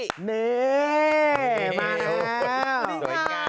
นี่มาแล้ว